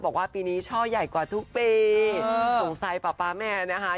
บอกว่าปีนี้ช่อใหญ่กว่าทุกปีสงสัยป๊าป๊าแม่นะคะ